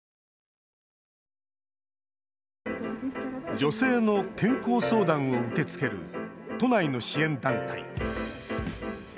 女性の健康相談を受け付ける都内の支援団体。